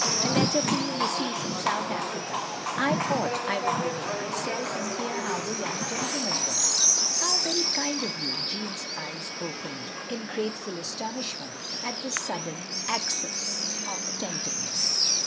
"A letter for you, missy, from South Africa. I though I would bring it myself, and hear how the young gentleman was." " How very kind of you! " Jeanne's eyes opened 4 so THE LONELY LADY in grateful astonishment at this sudden acch of attentiveness.